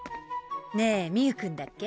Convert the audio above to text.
ねえ未祐くんだっけ？